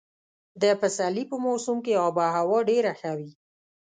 د پسرلي په موسم کې اب هوا ډېره ښه وي.